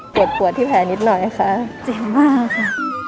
ป่วนกวดแผนนิดหน่อยค่ะเจ็บมากค่ะ